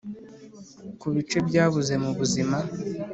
kubice byabuze mubuzima.